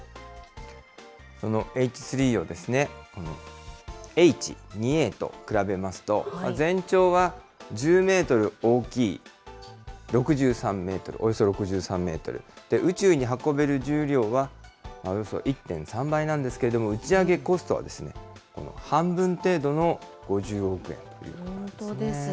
Ｈ３をＨ２Ａと比べますと、全長は１０メートル大きい６３メートル、およそ６３メートル、宇宙に運べる重量はおよそ１．３倍なんですけれども、打ち上げコストは、半分程度の５０億円ということなんですね。